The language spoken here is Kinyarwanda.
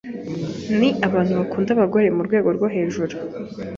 ni ahantu bakunda abagore mu rwego rwo hejuru